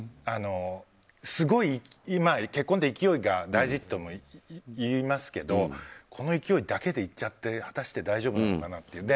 すごい結婚って勢いが大事ともいいますけどこの勢いだけでいっちゃって果たして大丈夫なのかなと。